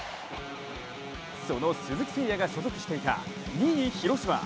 その鈴木誠也が所属していた２位、広島。